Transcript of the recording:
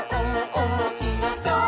おもしろそう！」